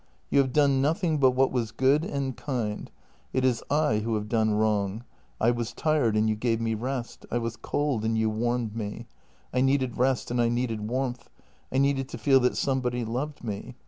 You have done nothing but what was good and kind; it is I who have done wrong. I was tired and you gave me rest; I was cold and you warmed me. I needed rest and I needed warmth; I needed to feel that somebody loved me.